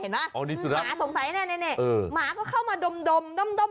เห็นไหมอ๋อดีสุดหมาสงสัยแน่แน่แน่หมาก็เข้ามาดมดมดมดม